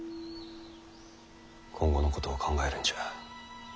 今後のことを考えるんじゃ。